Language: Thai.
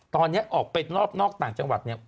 ตอนนี้ออกไปนอกต่างจังหวัดเนี่ย